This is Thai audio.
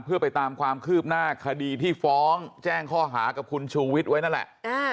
เพื่อไปตามความคืบหน้าคดีที่ฟ้องแจ้งข้อหากับคุณชูวิทย์ไว้นั่นแหละ